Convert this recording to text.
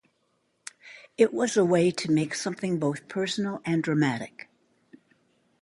It was a way to make something both personal and dramatic.